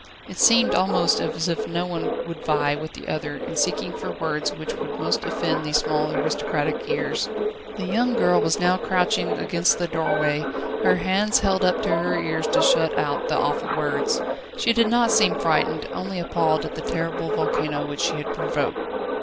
It seemed almost as if one would vie with the other in seeking for words which would most offend these small aristocratic ears. The young girl was now crouching against the doorway, her hands held up to her ears to shut out the awful sounds. She did not seem frightened, only appalled at the terrible volcano which she had provoked.